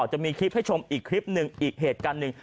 จะมีคลิปให้ชมอีกคลิปหนึ่งอีกเหตุการณ์หนึ่ง